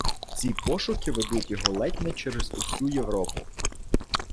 Ці пошуки ведуть його ледь не через усю Європу.